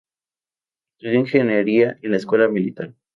Estudió ingeniería en la Escuela Militar.